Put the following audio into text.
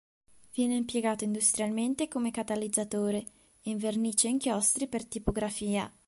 Viene impiegato industrialmente come catalizzatore e in vernici e inchiostri per tipografia.